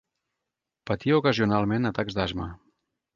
Patia ocasionalment atacs d'asma.